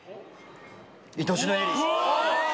『いとしのエリー』。